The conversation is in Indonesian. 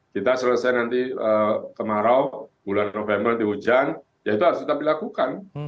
kita selesai nanti kemarau bulan november di hujan ya itu harus tetap dilakukan